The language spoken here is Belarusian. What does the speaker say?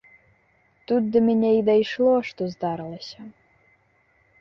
Тут да мяне і дайшло, што здарылася.